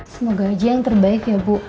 semoga haji yang terbaik ya bu